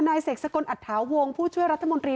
เสกสกลอัตถาวงศ์ผู้ช่วยรัฐมนตรี